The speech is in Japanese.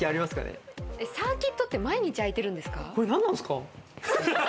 サーキットって毎日あいてるんですか？